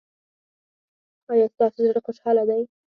ایا ستاسو زړه خوشحاله دی؟